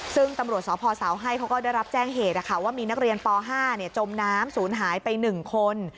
ซึ่งตำรวจสอบพสาวไห้เขาก็ได้รับแจ้งเหตุค่ะว่ามีนักเรียนปห้าเนี่ยจมน้ำสูญหายไปหนึ่งคน